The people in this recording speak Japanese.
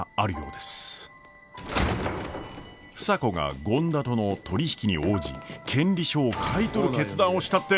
房子が権田との取り引きに応じ権利書を買い取る決断をしたって。